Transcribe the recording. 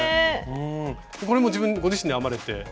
これもご自身で編まれて？